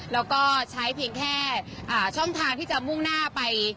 แล้วก็ใช้เพียงแค่ช่องทางที่จะมุ่งหน้าไป